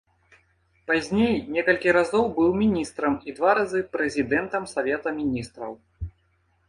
Пазней некалькі разоў быў міністрам і два разы прэзідэнтам савета міністраў.